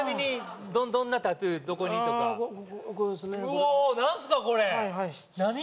うお何すかこれ何？